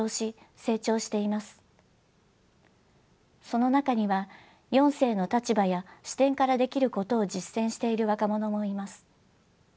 その中には四世の立場や視点からできることを実践している若者もいます。